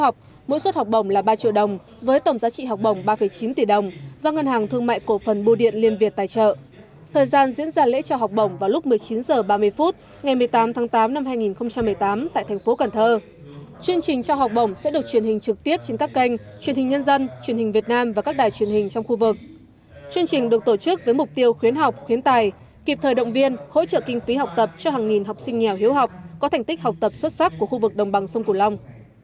chương trình được tổ chức với mục tiêu khuyến học khuyến tài kịp thời động viên hỗ trợ kinh phí học tập cho hàng nghìn học sinh nhèo hiếu học có thành tích học tập xuất sắc của khu vực đồng bằng sông củ long